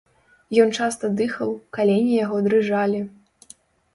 Ён часта дыхаў, калені яго дрыжалі.